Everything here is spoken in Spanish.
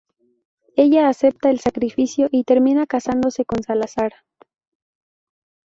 Ella acepta el sacrificio y termina casándose con Salazar.